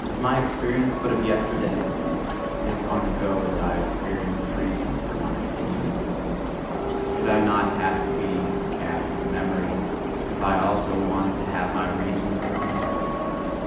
Is my experience but of yesterday? It is long ago that I experienced the reasons for mine opinions. Should I not have to be a cask of memory, if I also wanted to have my reasons with me?